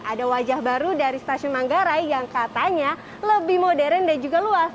ada wajah baru dari stasiun manggarai yang katanya lebih modern dan juga luas